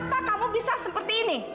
pak kamu bisa seperti ini